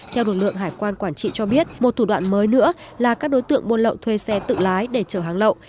theo lực lượng hải quan quản trị cho biết một thủ đoạn mới nữa là các đối tượng buôn lậu thuê xe tự lái để chở hàng lậu